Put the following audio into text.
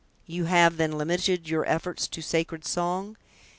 "You have, then, limited your efforts to sacred song?"